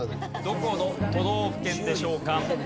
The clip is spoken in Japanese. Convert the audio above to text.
どこの都道府県でしょうか？